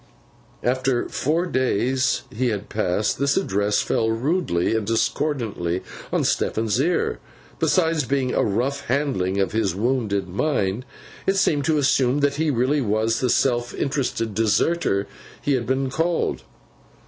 After the four days he had passed, this address fell rudely and discordantly on Stephen's ear. Besides being a rough handling of his wounded mind, it seemed to assume that he really was the self interested deserter he had been called.